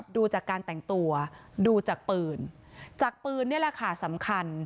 ดูจากการแต่งตัวดูจากปืนจากปืนนี่แหละค่ะสำคัญ